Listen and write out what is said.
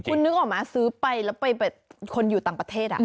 คุณนึกออกมั้ซื้อไปแล้วไปคนอยู่ต่างประเทศ